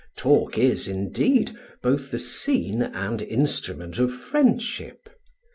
Talk is, indeed, both the scene and instrument of friendship.